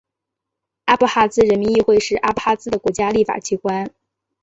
阿布哈兹人民议会是阿布哈兹的国家立法机关。